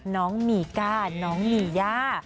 น้องหมี่ก้าน้องหมี่ย่า